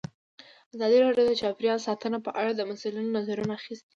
ازادي راډیو د چاپیریال ساتنه په اړه د مسؤلینو نظرونه اخیستي.